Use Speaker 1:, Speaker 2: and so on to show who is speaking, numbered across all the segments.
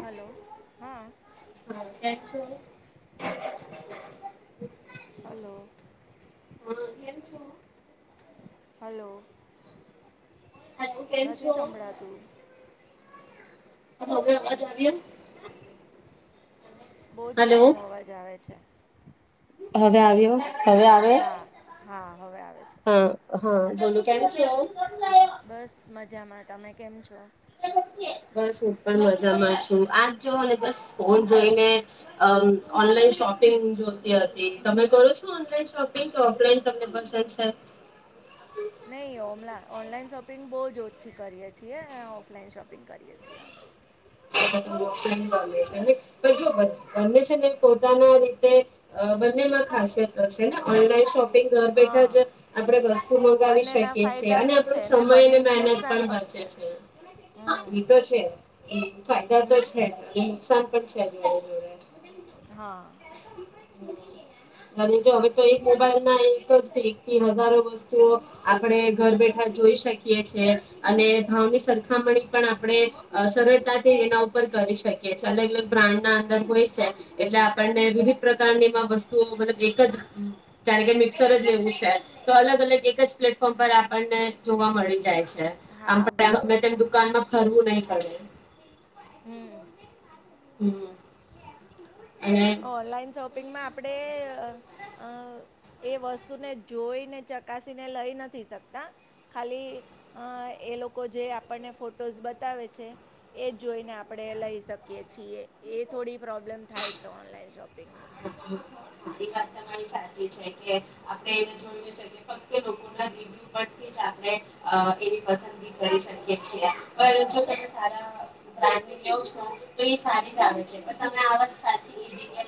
Speaker 1: Hello હા.
Speaker 2: [inaudible]
Speaker 1: Hello.
Speaker 2: હ એમ છો.
Speaker 1: હલો. નથી સંભળાતું.
Speaker 2: હ હવેવાજ આવીએ.
Speaker 1: બહુજ ધીમો અવાજ આવે છે.
Speaker 2: હવેવીયો.
Speaker 1: હા હા હવે આવે છે.
Speaker 2: હા હા ધોનુ કેમ છે.
Speaker 1: બસ મજામાં તમે કેમ છો.
Speaker 2: બસ હું પણ મજામાં છું આજ જોને બસ ફોન જોઈને ઓનલાન શોપિંગ જોતી તમે કરો છો ઓનલાન શોપિંગ ઓફલાઈન તમને પસંદ છે.
Speaker 1: નહી ઓમલા ઓનલાઈન શોપિંગ બહુ જોતી. અછી કરીએ છીએ ઓફલાઇન શોપિંગ શપિંગ કરીએ છીએ આમે
Speaker 2: જો બને છે ને પોતાના રીતે બંનેમાં ખાસિયત છે ને ઓનલાઈન શોપિ ઘર બેઠા
Speaker 1: હા
Speaker 2: જ આપડે વસ્તુ મંગાવી
Speaker 1: બંનેના
Speaker 2: શકીએ છીએ
Speaker 1: ફાયદા
Speaker 2: અને
Speaker 1: બી
Speaker 2: આપણો
Speaker 1: છે ને
Speaker 2: સમય અને
Speaker 1: બંનેનું
Speaker 2: મહેનત
Speaker 1: નુકસાન
Speaker 2: પણ બચે
Speaker 1: છે હમ
Speaker 2: છે એતો છે ફાયદા તો
Speaker 1: હમ
Speaker 2: જ છે જ નુકસાન જોડા
Speaker 1: હા
Speaker 2: જો હવે તો એક મોબાઈલ ના એક જ એક થી હજારો વસ્તુઓ આપડ ઘર બેઠા જોઈ શકીએ છેએ અને ભાવની સરખામણી પણ આપણે સરળ થી એના ઉપર કરી શકીીએ અલગ અલગ બ્રાન્ડ ના અંદર હોય છે એટલે આપણને વિવિધ પ્રકારની વસ્તુઓ મલબ એક જ જાણે કે મિક્સર જ લેવું છે તો અલગ અલગ એક જ પ્લેટફોર્મ પર આપણને જોવા મળી જાય છે
Speaker 1: હા બરાબર
Speaker 2: [unintelligible]
Speaker 1: છે
Speaker 2: દુકાનમાં ફરવું નહી પડે.
Speaker 1: હમ.
Speaker 2: હમ. અને
Speaker 1: ઓનલાઈન શોપ. શોપિંગમાં આપણે એ આ વસ્તુને જોઈને ચકાસીને લઈ નથી, શકતા ખાલી આ લોકો જે આપણને ફોટોઝ બતાવે છે એ જ જોઈને આપણે લઈ શકીએ છીએ, એ થોડી પ્રોબ્લેમ થાય છે. Online shopping.
Speaker 2: એ વાત તમારી સાચી છે કે આપણે એ જોયું છે કે ફક્ ર્યુ પરથી પસી કરી શકી જો તમે સ છો તો સારી જ છે પણ આ વાત સાચી કે.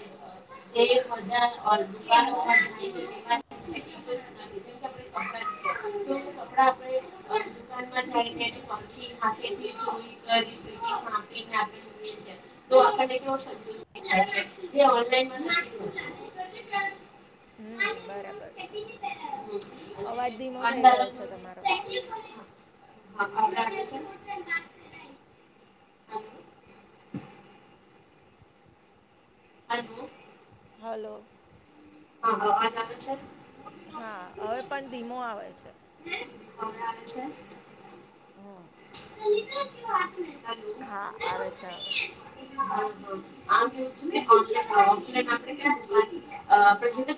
Speaker 2: [inaudible] [unintelligible]
Speaker 1: અવાજ ધીમો થઈ
Speaker 2: દુકાનદારો
Speaker 1: ગયો છે,
Speaker 2: જોડે
Speaker 1: તમારો.
Speaker 2: [inaudible] [inaudible] હલો.
Speaker 1: હાલો.
Speaker 2: હા, અવાજ છે.
Speaker 1: હા, હવે પણ ધીમો આવે છે.
Speaker 2: હવે આવે
Speaker 1: હમ
Speaker 2: છેે. [inaudible]
Speaker 1: હા, આવે છે હવે.
Speaker 2: [inaudible] પછી, તો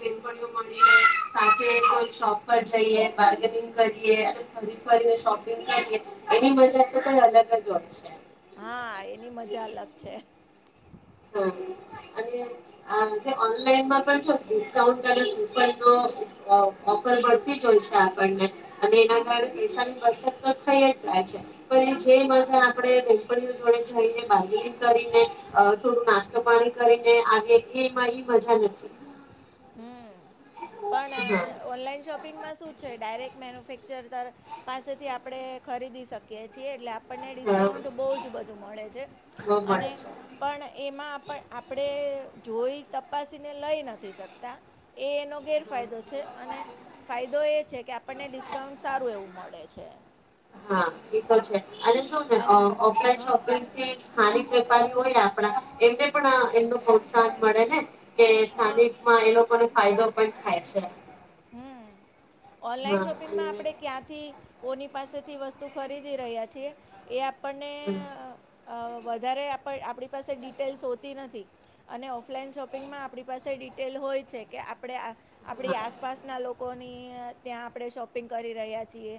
Speaker 2: બિનપણીઓ મળીને સાથે કોઈ શોપ પર જઈએ, બાર્ગેનિંગ કરીએ ફરી કરીને શોપિંગ કરીએ એની મજત તો કઈ અલગજ હોય છે.
Speaker 1: હા, એની મજા અલગ છે.
Speaker 2: હા અને આ જે ઓનલાઈનમાં પણ ડિસ્કાઉન્ટ અલગ ઉપરનો ઓ ઓફર મળતી જોય છે, આપણને. અને એના કારણે
Speaker 1: હમ
Speaker 2: પૈસાની વચત. થઈ જ જાય છે, પછી જે મજા આપણે કપનીઓ જોડે જઈનેગંગ કરીને. થોડું નાસ્તો પાણી કરીને આગે એમાં એ મજા નથી.
Speaker 1: હમ, પણ
Speaker 2: હા
Speaker 1: ઓનલાઈન શોપિંગમાં શું. છે, ડાયરેક્ટ મેન્યુફેક્ચરર પાસેથી આપણે ખરીદી શકીએ છીએ, એટલે. આપણને
Speaker 2: હા
Speaker 1: ડિસ્કાઉન્ટ બહુ જ બધું મળે છે,
Speaker 2: બો મળે
Speaker 1: અને
Speaker 2: છે
Speaker 1: પણ એમાં આપ આપણે. જોઈ, તપાસીને લઈ નથી શક. તા એ એનો. એ
Speaker 2: હા
Speaker 1: ફાયદો છે, અને ફાયદો એ છે કે. આપણને ડિસ્કાઉન્ટ સારું એવું મળે છે.
Speaker 2: હા, એ
Speaker 1: એમાં
Speaker 2: તો છે. અનેસુકહે આ
Speaker 1: અને
Speaker 2: ઓફલાઈન
Speaker 1: હા
Speaker 2: શોપિંગ થી જ સ્થાનિક. વેપારી હોય, આપણા એમને પણ એમનું પ્રોત્સાહન મળે ને. કે,
Speaker 1: હા
Speaker 2: સ્થાનિકમા એ લોકો. લોકોને ફાયદો પણ થાય છે.
Speaker 1: હમ ઓનલાઈન
Speaker 2: હા
Speaker 1: શોપિંગમાં
Speaker 2: અને
Speaker 1: આપણે ક્યાંથી... કોની પાસેથી વસ્તુ ખરીદી રહ્યા છીએ, આપ...
Speaker 2: હમ્મ
Speaker 1: વધારે આપણી આપણી પાસે ડિટેલ્સ હોતી નથી. અને ઓફલાઈન શોપિંગમાં આપણી પાસે ડિટેલ હોય છે કે આપણે આ.. આપણી
Speaker 2: હા
Speaker 1: આસ.. લોકોની ત્યાં આપણે શોપિંગ કરી રહ્યા છીએ.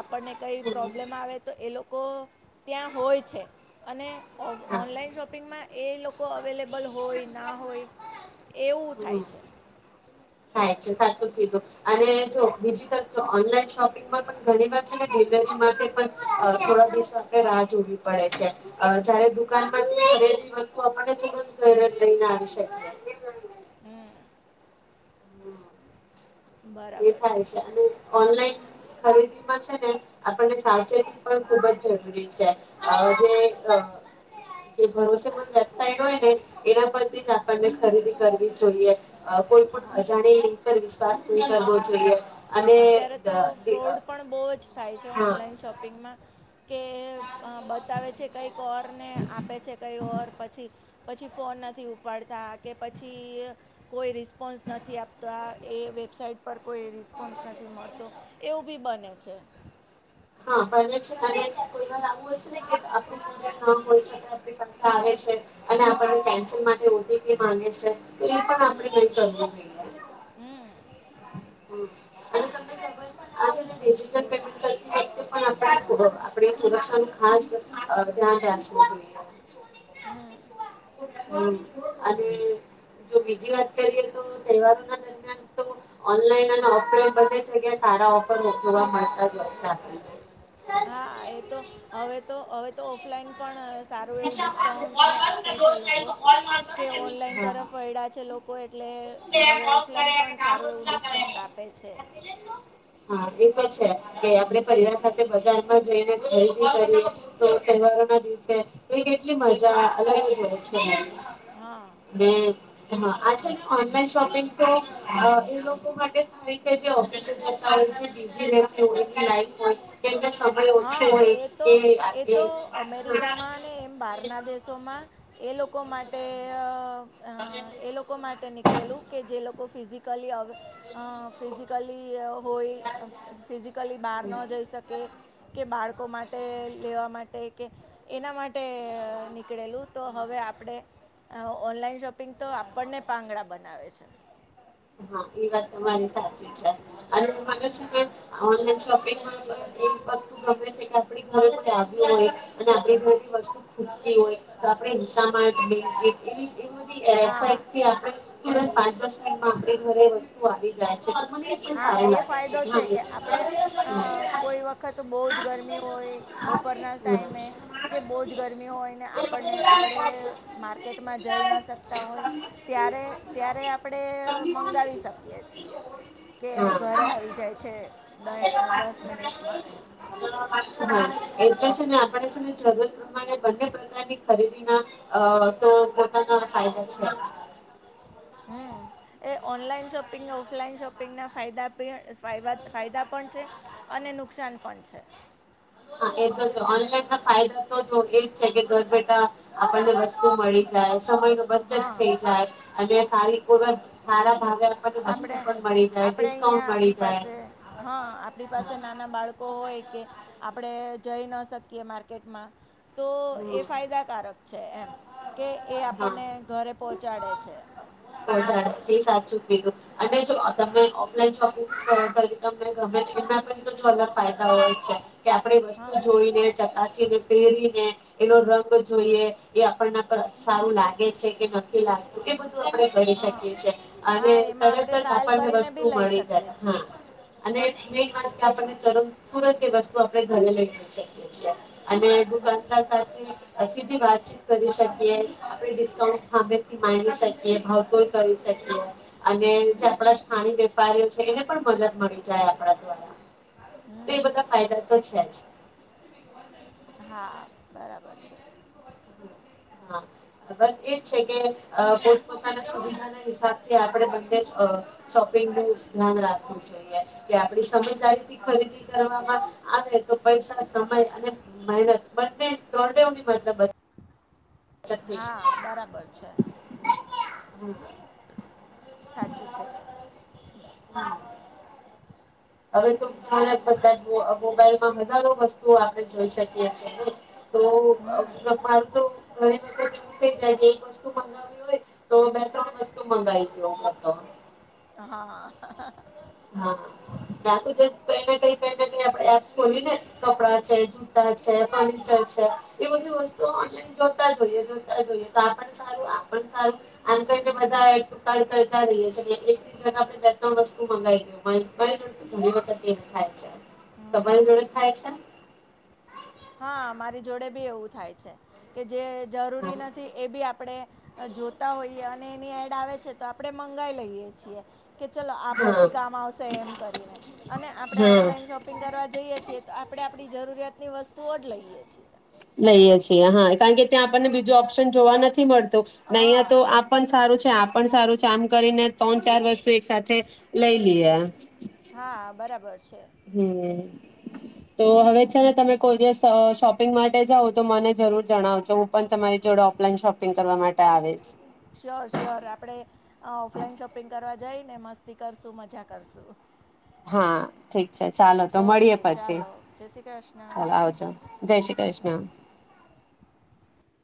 Speaker 1: આપણને કઈ
Speaker 2: હમ
Speaker 1: પ્રોબ્લેમ આવે તો એ લોકો.. લોકો ત્યાં હોય છે, અને
Speaker 2: હા
Speaker 1: ઓનલાઈન શોપિંગમાં.. એ લોકો.. અવેલેબલ હોય ના હોય એવું થાય
Speaker 2: હમ
Speaker 1: છે.
Speaker 2: થાય છે. સાચું કીધું અને જો બીજી તરફ ઓનલાઈન શોપિંગમાં પણ ઘણીવાર છેને [unintelligible] માટે પણ થોડા દિવસો આપ રાહ જોવી પડે છે. જયારે દુકાનમાંથી વસ્તુ આપણે ઘરે જ લઈને આવી શકીએ.
Speaker 1: [inaudible]
Speaker 2: [inaudible] એ થાય છે, ને ઓનલાઈન ખરીદીમાં છે, ને આપણે સાવચેતી પણ ખુબ જ જરૂરી છે. જે.. ભરોસેમંદ વેબસાઇટ હોયને એના પરથી જ આપનેણે ખરીદી કરવી જોઈએ.
Speaker 1: હા
Speaker 2: અજાણી એપ વિશ્વાસ ન કરવો જોઈએ. અને
Speaker 1: અત્યારે તો
Speaker 2: દ દી અ
Speaker 1: ફ્રોડ પણ બહુ જ થાય છે,
Speaker 2: હા
Speaker 1: ઓનલાઈન શોપિંગમાં. કે બતાવે છે કંઈક ઓર ને આપે છે, કંઈ ઓર! પછી પછી ફોન નથી ઉપાડતા કે પછી કોઈ રિસ્પોન્સ નથી આપતા. એ વેબસાઇટ પર કોઈ રિસ્.. રિસ્પોન્સ નથી મળતો, એવું બી બને છે.
Speaker 2: હા બને છે અને કોઈવાર એવું હોય, છેને આપણુ [unintelligible] નામ [unintelligible] આવે છે અને આપણી પાસે ઓટીપી માંગે છે. એ પણ આપણે
Speaker 1: હમ
Speaker 2: નઈ કરવું જોઈએ.
Speaker 1: હમ
Speaker 2: અને તમને ખબર છે આજે [inaudible] આપણે સુરક્ષા નુ ખાસ ધ્યાન રાખવું જોઈએ.
Speaker 1: હમ્મ
Speaker 2: અને જો બીજી વાત કરીએ, તો તહેવારો ના દરમિયાન તો ઓનલાઈન અને ઓફલાઈન બધી જગ્યા સારા ઓફર જોવા મળતા જ હોય છે, આપણને
Speaker 1: હા એ તો હવે તો હવે તો ઓફલાઈન પણ સારું
Speaker 2: હા
Speaker 1: એવું ડિસ્કાઉન્ટને આપે છે લોકો કે ઓનલાઈન તરફ વળ્યા છે લોકો એટલે હવે ઓફલાઈન પણ સારું એવું ડિસ્કાઉન્ટ આપે છે.
Speaker 2: હા એ તો છે કે આપણે પરિવાર સાથે બજારમાં જઈને ખરીદી કરી તો તહેવારો ના દિવસે એ કેટલી મજા અલગ-અલગ છે.
Speaker 1: હા
Speaker 2: હમ્મ હ આછે ન ઓનલાન શોપિંગ તો એ લોકો માટે સારી છે જે ઓફિસે જતા હોય છે, બીજી વ્યક્તિ હોય છે લાઇફમાં કેમ કે સમય ઓછો
Speaker 1: હા
Speaker 2: હોય
Speaker 1: એ
Speaker 2: કે
Speaker 1: તો
Speaker 2: એે [inaudible]
Speaker 1: બાર ના દેશોમાં એ લોક લોકો માટે અ અ એ લોકો માટે નીકળેલું કે જે લોકો કો ફિઝિકલી આવેવે ફિઝિકલી હોય ફિઝિકલી બહાર
Speaker 2: હમ.
Speaker 1: ન જઈ શકે કે બાળકો માટે લેવા માટે કે એના માટે નીકળેલું તો હવે આપણે ઓનલાઈન શોપિંગ તો આપણને પાંગડા બનાવે છે.
Speaker 2: હા એ વાત તમારી સાચી છે અનેને છે કે ઓન લાઈન શોપિંગ માં એ વસ્તુ ગમે છે [unintelligible] એ બધી એપ
Speaker 1: હા
Speaker 2: થી આપે તુરંત પાંચ બસ મા ઘરે વસ્તુ આવી જાય
Speaker 1: હમ
Speaker 2: છે મને એ પણ
Speaker 1: હા
Speaker 2: સારું
Speaker 1: એ
Speaker 2: લાગે
Speaker 1: ફાયદો છે
Speaker 2: હા એ
Speaker 1: કે
Speaker 2: હા
Speaker 1: આપણે અ કોઈ વખત બહુ જ ગરમી હોય બપોરના ટાઈમે કે બહુ જ ગરમી હોય ને આપણને આપણે માર્કેટમાં જઈ ન શકતા હોય ત્યારે ત્યારે આપણે
Speaker 2: ત
Speaker 1: મંગાવી
Speaker 2: [inaudible]
Speaker 1: શકીએ કે ઘરે આવી જાય છે દ
Speaker 2: હા
Speaker 1: દસ મિનિટમાં એમ
Speaker 2: એટલે છે ને આપે છેને જરૂર પ્રમાણે બંને પ્રકારની ખરીદીના તો પોતાના ફાયદા છે જ.
Speaker 1: હમ એ ઓનલાઈન શોપિંગ ઓફલાઈન શોપિંગ ના ફાયવફા ફાયદા પણ છે અને નુકસાન પણ છે.
Speaker 2: હા એ તો ઓનલાઈન ના ફાયદા તો જો એજ છે કે ઘર બેઠા આપણને વસ્તુ મળી જાય સમય નુ બચત
Speaker 1: હા
Speaker 2: થઈ જાય. હજુ સારી કય વ સારા ભાવે આપણને વસ્તુ
Speaker 1: આપણે
Speaker 2: પણ મળી જાય
Speaker 1: આપડે
Speaker 2: ડિસ્કાઉન્ટ
Speaker 1: અહિયાં
Speaker 2: મળી
Speaker 1: આપડી
Speaker 2: જાય
Speaker 1: પાસે હા આપણી પાસે
Speaker 2: હા
Speaker 1: નાના બાળકો હોય કે આપ આપણે જઈ ન શકીએ માર્કેટમાં તો એ
Speaker 2: હમ
Speaker 1: ફાયદાકારક છે એમ કે એ
Speaker 2: હા
Speaker 1: આપણને ઘરે પહોંચાડે છે.
Speaker 2: પહોંચાડે જે સાચું કીધું અને જો તમે ઓફલાઈન શોપિંગ તમને ગમે એના પણ તો છ અલગ ફાયદા હોય જ છે. કે આપણેે
Speaker 1: હા
Speaker 2: વસ્તુ જોઈને ચકાસીને પહેરીને એનો રંગ જોઈએ એ આપણના સારું લાગે છે કે નથી લાગતું કે આપણે કરી
Speaker 1: હા
Speaker 2: શકીએ છી અને
Speaker 1: હા એમાં
Speaker 2: તરત
Speaker 1: આપણે
Speaker 2: જ
Speaker 1: ટ્રાયલ
Speaker 2: આપણને
Speaker 1: કરીને
Speaker 2: વસ્તુ
Speaker 1: બી લઈ
Speaker 2: મળી
Speaker 1: શકીએ
Speaker 2: જાય
Speaker 1: છીએ
Speaker 2: અને મે વાત આપને તરણ તુરત એ વસ્તુ આપણે ઘરે લઈ જઈ શકીએ છીએ અને દુકાન
Speaker 1: હમ
Speaker 2: સાથે અી બી વાતચીત કરી શક આપ ડિઉન્ટ હમેથી ગી શકીએ ભરપૂર કરી શકીએ અને
Speaker 1: હમ
Speaker 2: આપડા સ્થિક છે એને પણ મદદ મળી જાય આપણા દ્વારા. તો એ
Speaker 1: હમ
Speaker 2: બધા ફાયદા તો છે જ.
Speaker 1: હા બરાબર છે.
Speaker 2: હા બસ એજ છે કે પોતપોતાના સુવિધા ના હિસાબથી આપણે બંને શોપિંગ નું ધ્યાન રાખવું જોઈએ કે આપડી સમયદારીથી ખરીદી કરવામાં આવે તો પૈસા સમય અને મહેનત બંને દરડેની મતલબ. બચત થઈ શકે.
Speaker 1: હા બરાબર છે.
Speaker 2: [unintelligible] હમ.
Speaker 1: સાચું છે.
Speaker 2: હવે તો જાણા બધા જ મોબાઈલમાં હજારો વસ્તુઓ આપણે જોઈ શકીએ છીએ.
Speaker 1: હમ
Speaker 2: [unintelligible] ઓઇ તો બે ત્રણ વસ્તુ મંગાઈ ગયો.
Speaker 1: હા હાહાહા.
Speaker 2: હા ના કને કઈ કને ક આપ એપ ખોલીને કપડા છે જૂતા છે ફર્નિચર છે એ બધી વસ્તુ ઓનલાઈ જોતા જોઈએ જોતા જોઈએ તો સારું સારું. કોઈ કોઈ
Speaker 1: હમ
Speaker 2: બધા આક બધા ક. છ એક આપણે બે તણસ્તુ મંગાવીએ. [unintelligible] ડ થાય છે
Speaker 1: હમ
Speaker 2: તમા જોડે થાય છે.
Speaker 1: હા મારી જોડે બી એવું થાય છે કે. જે જરૂરી
Speaker 2: હા
Speaker 1: નથી એ બી આપણે. જોતા હોઈએ અને એની એડ આવે છે તો આપણેે મંગાઈ લઈએ છીએ. કે ચલો આ
Speaker 2: હા
Speaker 1: પછી કામ આવશે એમ કરીને અને આપણે
Speaker 2: હા
Speaker 1: ઓફલાઈન શોપિંગ કરવા જઈએ છીએ તો આપડે. આપણી જરૂરિયાતની વસ્તુ. તો જ લઈએ છીએ.
Speaker 2: લઈએ છીએ હા કારણ કે ત્યાં આપણને બીજું ઓપ્શન જોવા નથી મળતું. અહીં તો
Speaker 1: હા
Speaker 2: આ પણ સારું છે આ પણ સારું છે. કામ કરીને ત્રણ ચાર વસ્તુ એક સાથે લઈ લઈએ.
Speaker 1: હા બરાબર છે.
Speaker 2: હમ તો હવે છે ને તમે કોઈ દિવસ શોપિંગ માટે જાઓ તો મને જરૂર જણાવજો હું પણ તમારી જોડે ઓફલાઈન શોપિંગ કરવા માટે આવેશ.
Speaker 1: શ્યોર શ્યોર આપડણે ઓફલાઈન શોપિંગ કરવા જઈ ને મસ્ત. તી કરશું મજા કરશું.
Speaker 2: હા ઠીક. અચ્છા ચાલો તો
Speaker 1: ઓકે
Speaker 2: મળીએે પછી
Speaker 1: ચાલો જય શ્રી કૃષ્ણ
Speaker 2: ચાલ આવજો જય શ્રી
Speaker 1: હમ
Speaker 2: કૃષ્ણ.